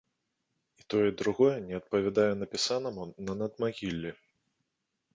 І тое, і другое не адпавядае напісанаму на надмагіллі.